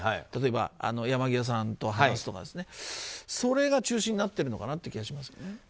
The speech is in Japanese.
例えば山際さんと話すとかそれが中心になっているのかなという気がしますけどね。